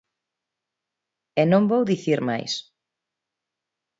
E non vou dicir máis.